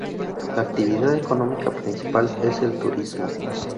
La actividad económica principal es el turismo.